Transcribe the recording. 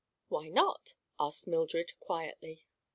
"Why not?" asked Mildred quietly.